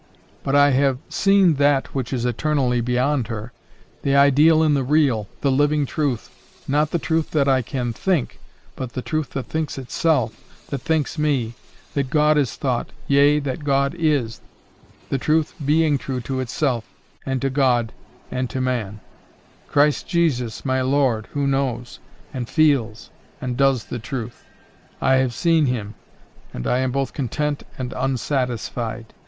But I have seen that which is eternally beyond her: the ideal in the real, the living truth, not the truth that I can THINK, but the truth that thinks itself, that thinks me, that God has thought, yea, that God is, the truth BEING true to itself and to God and to man—Christ Jesus, my Lord, who knows, and feels, and does the truth. I have seen Him, and I am both content and unsatisfied.